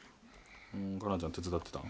香菜ちゃん手伝ってたの？